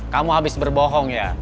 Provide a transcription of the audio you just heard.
kamu habis berbohong ya